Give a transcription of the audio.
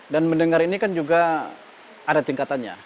dan mendengar ini kan juga ada tingkatannya